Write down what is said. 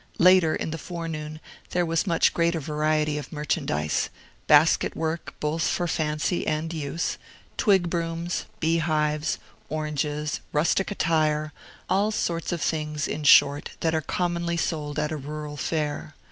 Later in the forenoon there was a much greater variety of merchandise: basket work, both for fancy and use; twig brooms, beehives, oranges, rustic attire; all sorts of things, in short, that are commonly sold at a rural fair.